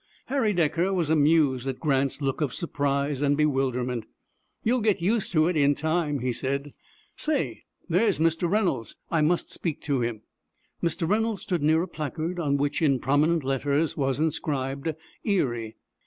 Harry Decker was amused at Grant's look of surprise and bewilderment. "You'll get used to it in time," he said. "Say there is Mr. Reynolds. I must speak to him." Mr. Reynolds stood near a placard on which, in prominent letters, was inscribed "Erie."